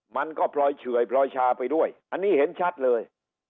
มันก็พลอยเฉื่อยพลอยชาไปด้วยอันนี้เห็นชัดเลย